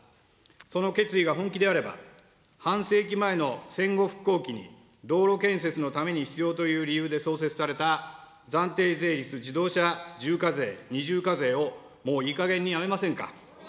その決意が本気であれば、半世紀前の戦後復興期に道路建設のために必要という理由で創設された暫定税率、自動車重課税・二重課税をもういいかげんにやめませんか。